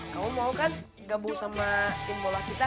kamu mau kan gambung sama tim bola kita